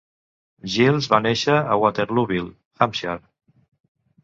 Giles va néixer a Waterlooville, Hampshire.